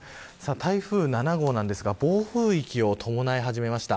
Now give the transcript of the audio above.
台風７号ですが暴風域を伴い始めました。